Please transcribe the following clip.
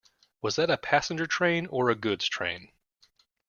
Was that a passenger train or a goods train?